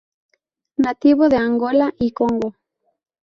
Nativo de Angola y Congo.